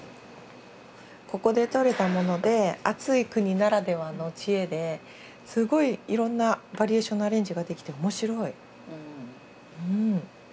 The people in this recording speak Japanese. ここでとれたもので暑い国ならではの知恵ですごいいろんなバリエーションのアレンジができて面白い。